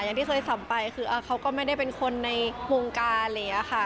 อย่างที่เคยสำไปคือเขาก็ไม่ได้เป็นคนในวงการเลยค่ะ